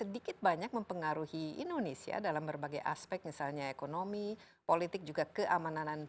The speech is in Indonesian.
dan men rangeusions